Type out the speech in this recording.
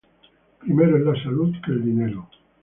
Primero es la salud que el dinero.